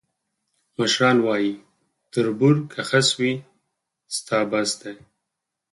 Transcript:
مشران وایي: تربور که خس وي، ستا بس دی.